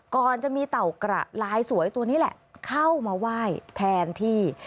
ก่อนจะมีเต่ากระลายสวยตัวนี้แหละเข้ามาไหว้แทนที่